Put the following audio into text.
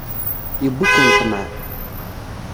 Yewwi-ken ṭṭmeɛ.